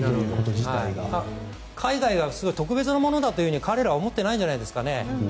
海外が特別なものだと彼らは思ってないんじゃないですかね。